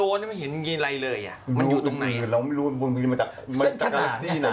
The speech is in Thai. อ่าเขาต้องมีเออเรายังมีทำไมเขาจะไม่มีอ่ะ